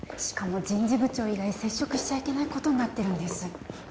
しかも人事部長以外接触しちゃいけないことになってるんです